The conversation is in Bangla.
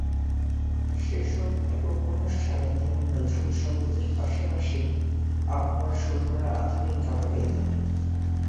সেসব একক অনুষ্ঠানে তিনি নজরুলসংগীতের পাশাপাশি আব্বার সুর করা আধুনিক গানও গাইতেন।